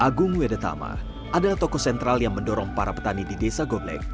agung wedetama adalah tokoh sentral yang mendorong para petani di desa gobleg